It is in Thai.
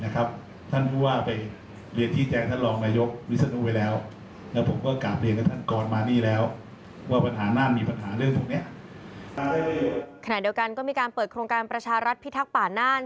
ขณะเดียวกันก็มีการเปิดโครงการประชารัฐพิทักษ์ป่าน่าน